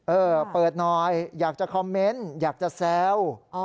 เออเปิดหน่อยอยากจะคอมเมนต์อยากจะแซว